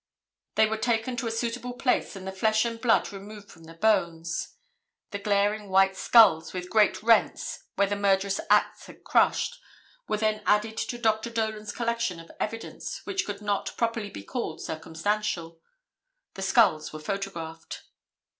They were taken to a suitable place and the flesh and blood removed from the bones. The glaring white skulls with great rents, where the murderous axe had crushed, then were added to Dr. Dolan's collection of evidence which could not properly be called "circumstantial." The skulls were photographed.